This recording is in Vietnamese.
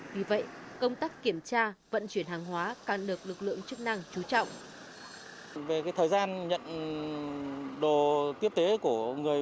vì vậy công tác kiểm tra vận chuyển hàng hóa càng được lực lượng chức năng chú trọng